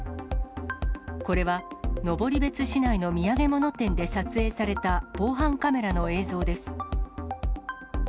これは登別市内の土産物店で撮影された防犯カメラの映像です。